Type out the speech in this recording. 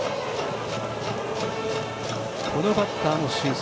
このバッターも俊足。